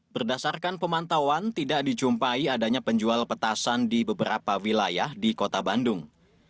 berdasarkan pemantauan tidak dijumpai adanya penjual petasan di beberapa wilayah di kota bandung